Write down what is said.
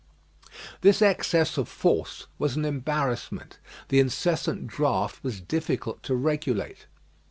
This excess of force was an embarrassment. The incessant draught was difficult to regulate.